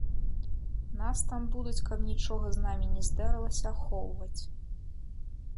Нас там будуць, каб нічога з намі не здарылася, ахоўваць.